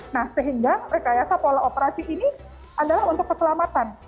nah sehingga rekayasa pola operasi ini adalah untuk keselamatan